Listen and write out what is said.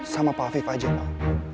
sama pak afif aja lah